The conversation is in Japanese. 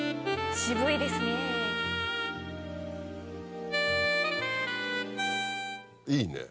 渋いですねぇ。